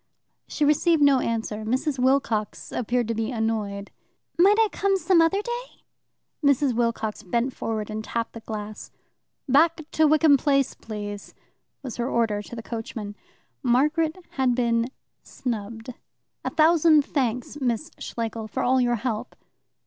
She received no answer. Mrs. Wilcox appeared to be annoyed. "Might I come some other day?" Mrs. Wilcox bent forward and tapped the glass. "Back to Wickham Place, please!" was her order to the coachman. Margaret had been snubbed. "A thousand thanks, Miss Schlegel, for all your help."